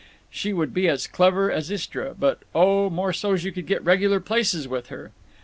She would be as clever as Istra, but "oh, more so's you can go regular places with her."